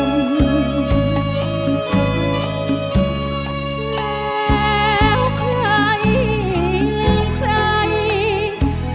แล้วใครใคร